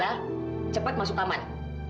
lara cepet masuk kaman